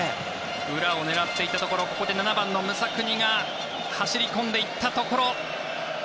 裏を狙っていったところここで７番のムサクニが走り込んでいったところ。